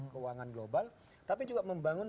keuangan global tapi juga membangun